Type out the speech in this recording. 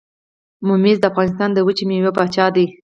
ممیز د افغانستان د وچې میوې پاچا دي.